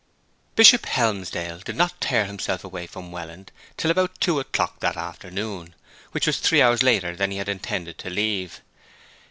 Bishop Helmsdale did not tear himself away from Welland till about two o'clock that afternoon, which was three hours later than he had intended to leave.